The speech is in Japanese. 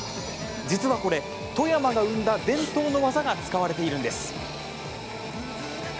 実はこれ、富山が生んだ伝統の技が使われているんです。